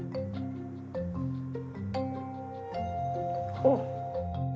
おっ！